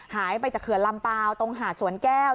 หายไปจากเขื่อนลำเปล่าตรงหาดสวนแก้ว